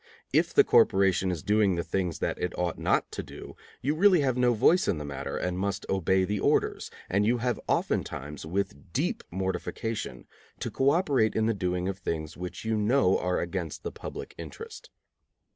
If the corporation is doing the things that it ought not to do, you really have no voice in the matter and must obey the orders, and you have oftentimes with deep mortification to co operate in the doing of things which you know are against the public interest.